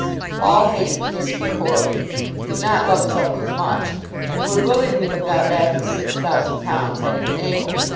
Paul hated Fisker horribly, did not love his uncle much, and would willingly have got back his £6,000 had he been able.